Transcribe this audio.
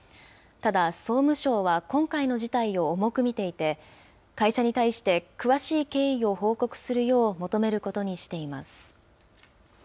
ただ、総務省は今回の事態を重く見ていて、会社に対して詳しい経緯を報告するよう求めることにしています。